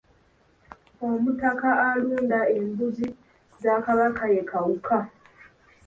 Omutaka alunda embuzi za Kabaka ye Kawuka.